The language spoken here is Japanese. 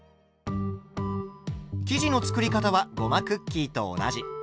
生地の作り方はごまクッキーと同じ。